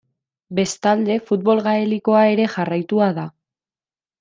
Bestalde Futbol gaelikoa ere jarraitua da.